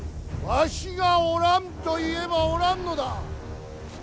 わしがおらんと言えばおらんのだ。